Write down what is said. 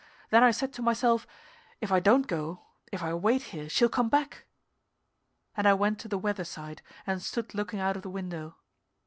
Then I said to myself, "If I don't go if I wait here she'll come back." And I went to the weather side and stood looking out of the window.